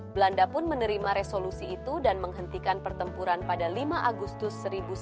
belanda pun menerima resolusi itu dan menghentikan pertempuran pada lima agustus seribu sembilan ratus empat puluh